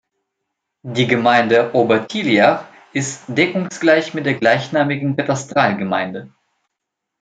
Die Gemeinde Obertilliach ist deckungsgleich mit der gleichnamigen Katastralgemeinde.